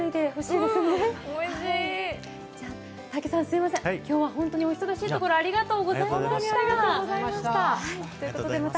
タケさん、今日は本当にお忙しいところありがとうございました。